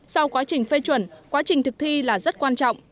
sau quá trình phê chuẩn quá trình thực thi là rất quan trọng